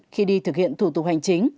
khi đi thực hiện thủ tục hành chính